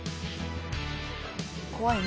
怖いね。